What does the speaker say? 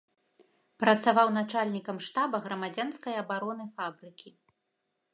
Працаваў начальнікам штаба грамадзянскай абароны фабрыкі.